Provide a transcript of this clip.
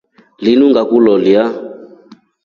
Linu ngakuloleya.